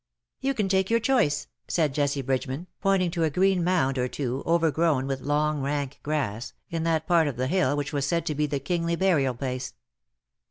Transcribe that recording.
'^" You can take your choice,^^ said Jessie Bridge man, pointing to a green mound or two, overgrown with long rank grass, in that part of the hill which was said to be the kingly burial place.